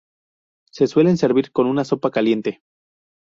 Se suelen servir con una sopa caliente.